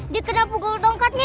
dia kena pukul tongkatnya